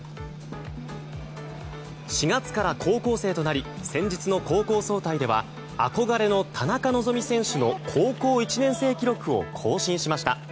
４月から高校生となり先日の高校総体では憧れの田中希実選手の高校１年生記録を更新しました。